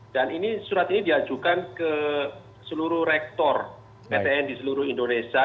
dan ini surat ini diajukan ke seluruh rektor ptn di seluruh indonesia